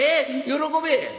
喜べ」。